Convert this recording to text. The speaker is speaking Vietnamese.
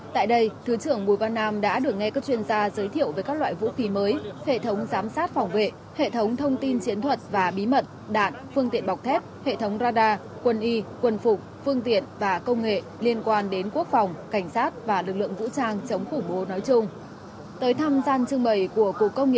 tại đây thứ trưởng bùi văn nam đã được nghe các chuyên gia giới thiệu về các loại vũ khí mới hệ thống giám sát phòng vệ hệ thống thông tin chiến thuật và bí mật đạn phương tiện bọc thép hệ thống radar quân y quân phục phương tiện và công nghệ liên quan đến quốc phòng cảnh sát và lực lượng vũ trang chống khủng bố nói chung